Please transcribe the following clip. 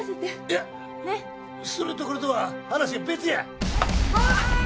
いやそれとこれとは話が別や！